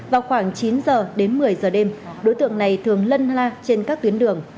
vào khoảng chín h đến một mươi h đêm đối tượng này thường lân la trên các tuyến đường